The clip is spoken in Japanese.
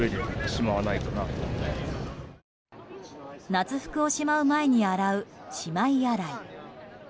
夏服をしまう前に洗うしまい洗い。